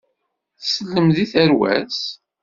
Tsellem deg tarwa-s.